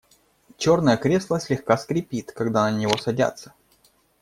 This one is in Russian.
Черное кресло слегка скрипит, когда на него садятся.